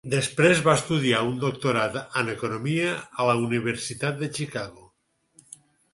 Després va estudiar un doctorat en economia en la Universitat de Chicago.